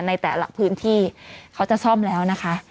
ในแต่ละพื้นที่เขาจะซ่อมแล้วนะคะ